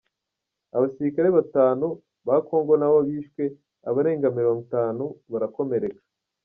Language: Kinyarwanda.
Abasirikare batanu ba Kongo nabo bishwe, abarenga mirongo itanu barakomereka.